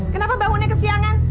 kenapa bangunnya ke siangan